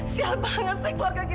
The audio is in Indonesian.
sial banget sih keluarga kita ini